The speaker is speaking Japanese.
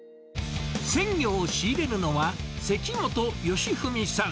鮮魚を仕入れるのは、関本義臣さん。